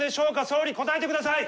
総理答えてください。